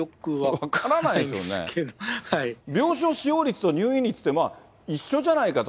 分からないよね、病床使用率と入院率って一緒じゃないかと。